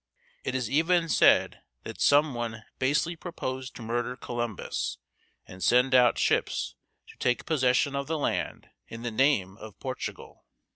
It is even said that some one basely proposed to murder Columbus and send out ships to take possession of the land in the name of Portugal.